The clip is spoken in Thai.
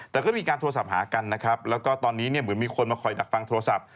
แต่ก็มีการโทรศัพท์หากันนะครับแล้วก็ตอนนี้เนี่ยเหมือนมีคนมาคอยดักฟังโทรศัพท์